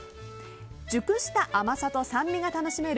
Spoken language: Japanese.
熟した甘さと酸味が楽しめる